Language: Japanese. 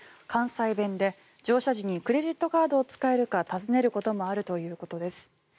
関西弁で、乗車時にクレジットカードを使えるか尋ねることもあるということです。